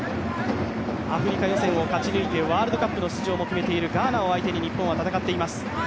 アフリカ予選を勝ち抜いてワールドカップの出場も決めているガーナを相手に日本は戦っています。